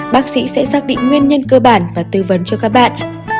bác sĩ sẽ xác định nguyên nhân cơ bản và tư vấn cho các bạn